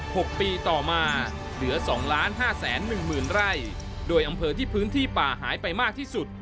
หกปีต่อมาเหลือสองล้านห้าแสนหนึ่งหมื่นไร่โดยอำเภอที่พื้นที่ป่าหายไปมากที่สุด